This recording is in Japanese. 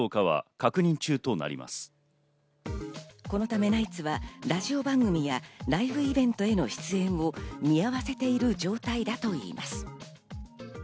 このためナイツはラジオ番組やライブイベントへの出演を見合わせている状態だといいます。